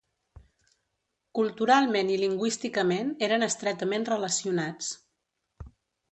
Culturalment i lingüísticament eren estretament relacionats.